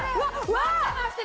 待って待って！